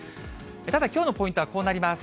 ただきょうのポイントはこうなります。